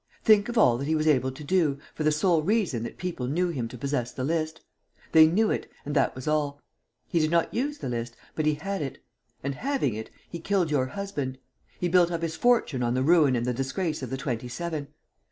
Think of all that he was able to do, for the sole reason that people knew him to possess the list. They knew it; and that was all. He did not use the list, but he had it. And, having it, he killed your husband. He built up his fortune on the ruin and the disgrace of the Twenty seven.